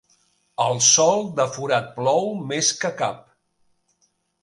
El sol de forat plou més que cap.